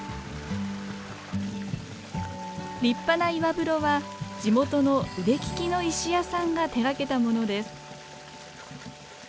立派な岩風呂は地元の腕利きの石屋さんが手がけたものです。